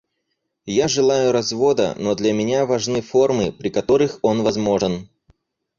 Я желаю развода, но для меня важны формы, при которых он возможен.